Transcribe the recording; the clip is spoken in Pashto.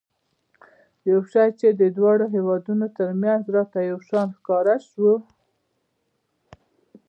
یو شی چې د دواړو هېوادونو ترمنځ راته یو شان ښکاره شو.